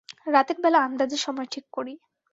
রাতের বেলা আন্দাজে সময় ঠিক করি।